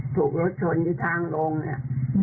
ถูกรถชนที่ทางลงเนี่ย